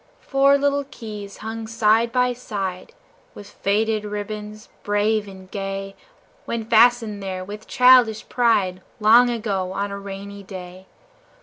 Four little keys hung side by side, With faded ribbons, brave and gay When fastened there, with childish pride, Long ago, on a rainy day.